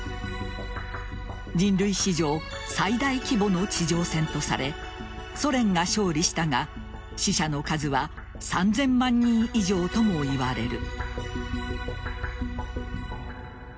人類史上最大規模の地上戦とされソ連が勝利したが死者の数は３０００万人以上ともいわれる。